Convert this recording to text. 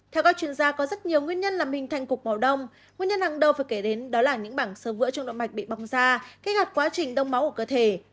theo các chuyên gia có rất nhiều nguyên nhân làm hình thành cục máu đông nguyên nhân hàng đầu phải kể đến đó là những bảng sơ vỡ trong đoạn bạch bị bong ra gây ngặt quá trình đông máu của cơ thể